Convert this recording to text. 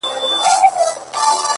خو ته د هر محفل په ژبه کي هينداره سوې